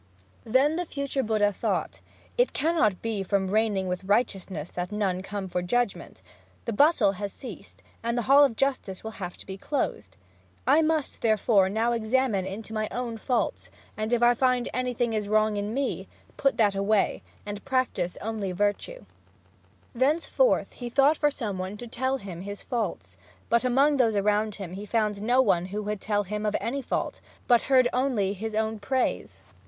Then the future Buddha thought, "It cannot be from my reigning with righteousness that none come for judgment; the bustle has ceased, and the Hall of Justice will have to be closed. I must, therefore, now examine into my own faults; and if I find that anything is wrong in me, put that away, and practise only virtue." Thenceforth he sought for some one to tell him his faults, but among those around him he found no one who would tell him of any fault, but heard only his own praise.